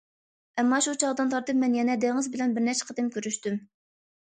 ئەمما شۇ چاغدىن تارتىپ مەن يەنە دېڭىز بىلەن بىرنەچچە قېتىم كۆرۈشتۈم.